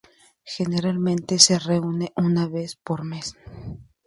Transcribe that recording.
Generalmente se reúne una vez por mes.